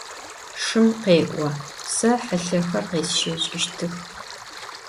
Şşım khê'o: Se hılhexer khêsşeç'ıştıx.